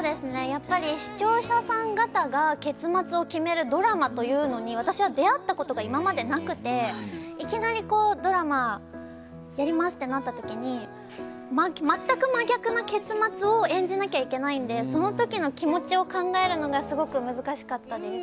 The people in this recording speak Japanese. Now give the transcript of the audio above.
視聴者さん方が結末を決めるドラマというのに私は出会ったことが今までなくていきなりドラマやりますってなった時に全く真逆な結末を演じなきゃいけないのでその時の気持ちを考えるのがすごく難しかったです。